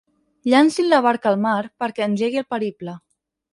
Llancin la barca al mar perquè engegui el periple.